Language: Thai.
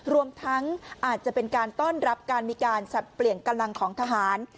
รวมทั้งอาจจะเป็นการต้อนรับการมีการสับเปลี่ยนกำลังของทหาร